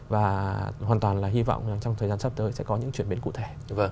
và hoàn toàn là hy vọng là trong thời gian sắp tới sẽ có những chuyển biến cụ thể